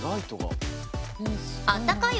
あったかい